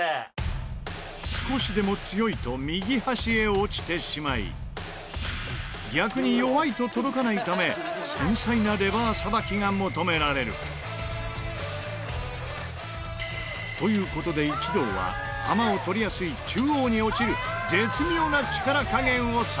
少しでも強いと右端へ落ちてしまい逆に弱いと届かないため繊細なレバーさばきが求められる。という事で一同は球を取りやすいでも私。